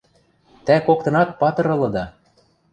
Тӓ коктынат патыр ылыда...